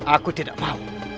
aku tidak mau